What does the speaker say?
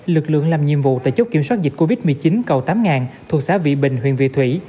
lực lượng làm nhiệm vụ tại chốt kiểm soát dịch covid một mươi chín cầu tám thuộc xã vị bình huyện vị thủy